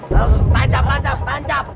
langsung tancap tancap tancap